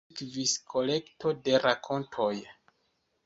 Sekvis kolekto de rakontoj".